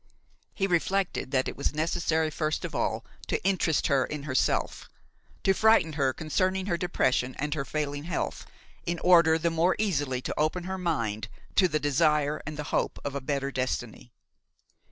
He reflected that it was necessary first of all to interest her in herself, to frighten her concerning her depression and her failing health, in order the more easily to open her mind to the desire and the hope of a better destiny.